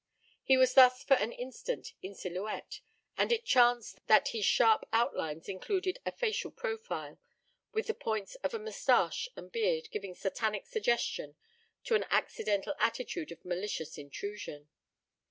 He was thus for an instant in silhouette, and it chanced that his sharp outlines included a facial profile, with the points of a mustache and beard giving satanic suggestion to an accidental attitude of malicious intrusion.